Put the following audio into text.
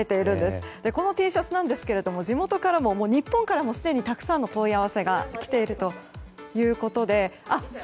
このＴシャツなんですが地元からも日本からもすでにたくさんの問い合わせが来ているということです。